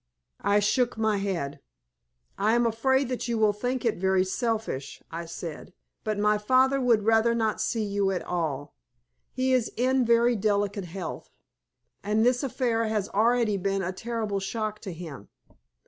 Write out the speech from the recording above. I shook my head. "I am afraid that you will think it very selfish," I said, "but my father would rather not see you at all. He is in very delicate health, and this affair has already been a terrible shock to him.